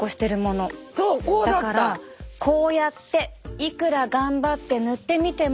だからこうやっていくら頑張って塗ってみても。